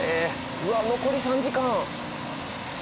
うわっ残り３時間。